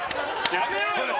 やめろよ！